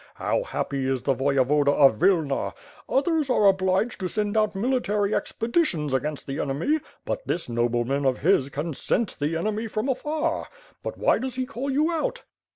How happy is the Voyevoda of Wilna! Others are obliged to send out military expeditions against the enemy, but this nobleman of his can scent the enemy from afar. But why does he call you out?"